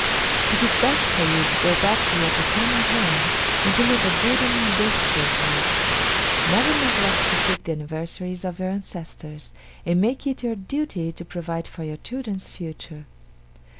It is best for you to go back to your paternal home, and to live a good and industrious life. Never neglect to keep the anniversaries of your ancestors, and make it your duty to provide for your children's future.